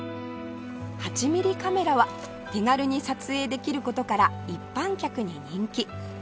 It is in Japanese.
８ミリカメラは手軽に撮影できる事から一般客に人気